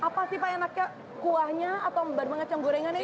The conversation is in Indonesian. apa sih pak enaknya kuahnya atau baru baru ngecam gorengan ini